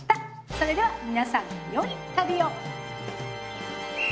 それでは皆さんよい旅を。